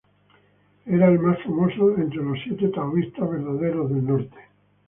Era el más famoso entre los Siete Taoístas Verdaderos del Norte.